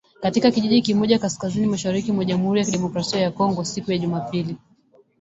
Katika kijiji kimoja kaskazini-mashariki mwa Jamuhuri ya Kidemokrasia ya Kongo ,siku ya Jumapili